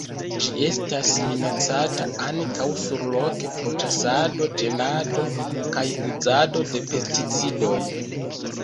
Ĝi estas minacata ankaŭ surloke pro ĉasado, ĝenado kaj uzado de pesticidoj.